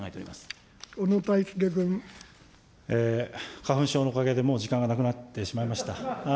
花粉症のおかげでもう時間がなくなってしまいました。